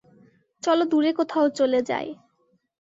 চলো দূরে কোথাও চলে যাই।